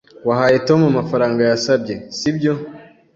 Wahaye Tom amafaranga yasabye, sibyo?